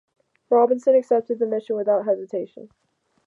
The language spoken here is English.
Robinson accepted the mission without hesitation.